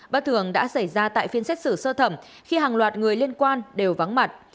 bất thường đã xảy ra tại phiên xét xử sơ thẩm khi hàng loạt người liên quan đều vắng mặt